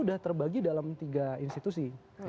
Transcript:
sudah terbagi dalam tiga institusi